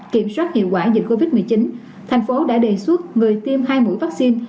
kiểm soát hiệu quả dịch covid một mươi chín thành phố đã đề xuất người tiêm hai mũi vaccine